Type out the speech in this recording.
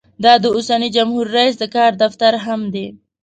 دا د اوسني جمهور رییس د کار دفتر هم دی.